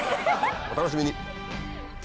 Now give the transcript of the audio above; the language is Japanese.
お楽しみに！